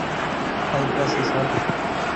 সাইপ্রাসে, sir.